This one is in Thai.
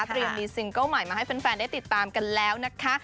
มีซิงเกิ้ลใหม่มาให้แฟนได้ติดตามกันแล้วนะคะ